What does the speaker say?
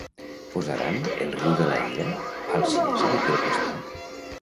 Posaran "El riu de la ira" al Cinesa d'aquí al costat?